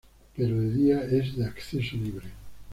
Pero de día, es de acceso libre.